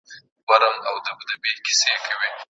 که د ستونزو په اړه پوه شو نو بریالي به یو.